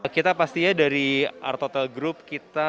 kita pastinya dari art hotel group kita melakukan